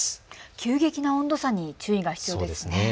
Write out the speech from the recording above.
急激な温度差に注意が必要ですね。